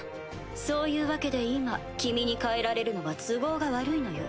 そういうわけで今君に帰られるのは都合が悪いのよ。